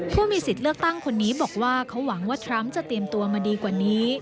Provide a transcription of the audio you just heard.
ผู้มีสิทธิ์เลือกตั้งคนนี้บอกว่าเขาหวังว่าทรัมป์จะเตรียมตัวมาดีกว่านี้